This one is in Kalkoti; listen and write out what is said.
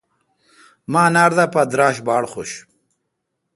مہ انر دا پہ دراݭ باڑ خوش۔